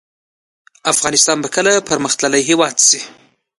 افغانستان به کله پرمختللی هیواد شي؟